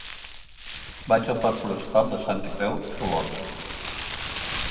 Vaig al parc Forestal de Santa Creu d'Olorda.